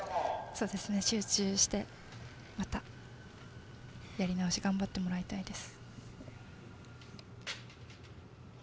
そうですね、集中してやり直し頑張ってもらいたいです。